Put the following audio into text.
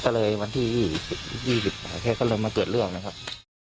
ก็เลยวันที่๒๘แกก็เลยมาเกิดเรื่องนะครับ